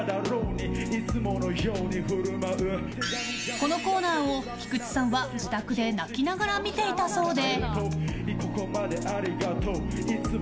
このコーナーを、菊地さんは自宅で泣きながら見ていたそうで。